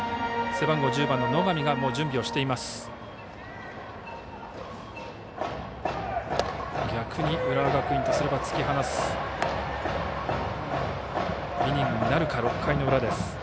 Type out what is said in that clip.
背番号１０番の野上が準備をしています。